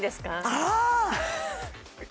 ああ！